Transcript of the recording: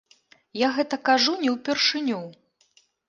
Я гэта кажу не ўпершыню.